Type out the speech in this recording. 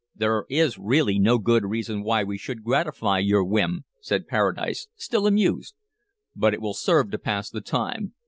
"There is really no good reason why we should gratify your whim," said Paradise, still amused. "But it will serve to pass the time.